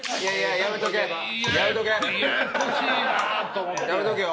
やめとけよ。